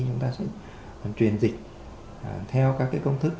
chúng ta sẽ truyền dịch theo các công thức